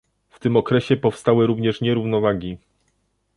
W tym okresie powstały również nierównowagi